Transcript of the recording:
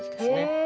へえ。